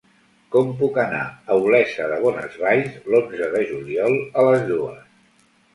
Com puc anar a Olesa de Bonesvalls l'onze de juliol a les dues?